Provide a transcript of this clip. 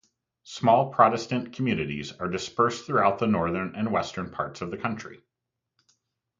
Small Protestant communities are dispersed throughout the northern and western parts of the country.